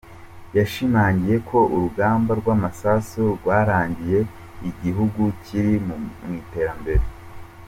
Yashimangiye ko urugamba rw’amasasu rwarangiye igihugu kiri mu rw’iterambere.